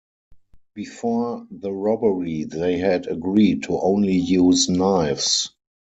Before the robbery they had agreed to only use knives.